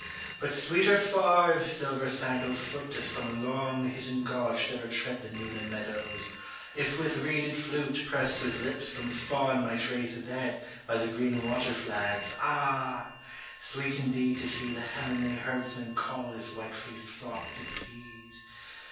But sweeter far if silver sandaled foot Of some long hidden God should ever tread The Nuneham meadows, if with reeded flute Pressed to his lips some Faun might raise his head By the green water flags, ah ! sweet indeed To see the heavenly herdsman call his white fleeced flock to feed.